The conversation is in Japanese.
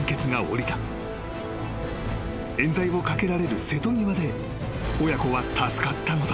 ［冤罪をかけられる瀬戸際で親子は助かったのだ］